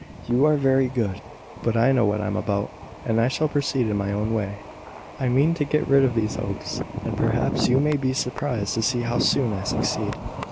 "You are very good: but I know what I am about, and I shall proceed in my own way. I mean to get rid of these Hopes; and, perhaps, you may be surprised to see how soon I succeed."